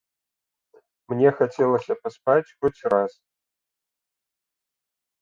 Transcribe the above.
Мне хацелася паспаць хоць раз.